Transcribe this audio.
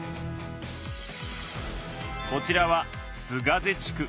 こちらは須ヶ瀬地区。